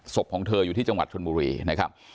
ของเธออยู่ที่จังหวัดชนบุรีนะครับ